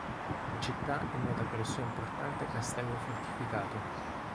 La città è nota per il suo importante castello fortificato.